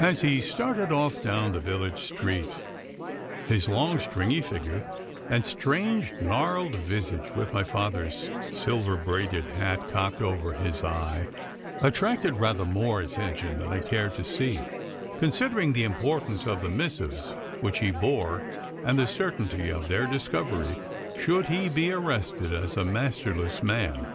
As he started off down the village street, his long stringy figure and strange gnarled visage, with my father's silver braided hat cocked over his eye, attracted rather more attention than I cared to see, considering the importance of the missives which he bore, and the certainty of their discovery should he be arrested as a masterless man.